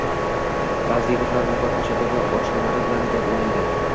Ba’zi yigitlar nuqul ko‘chadagi oshnalari bilan gap o‘ynaydi